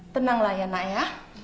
tenanglah ya nak ya